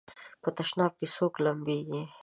په تشناب کې څوک لمبېږي؟